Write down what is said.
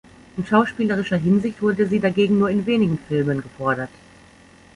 In schauspielerischer Hinsicht wurde sie dagegen nur in wenigen Filmen gefordert.